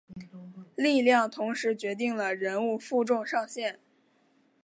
力量同时决定了人物负重上限。